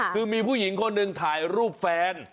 คือมีผู้หญิงคนหนึ่งถ่ายรูปแฟน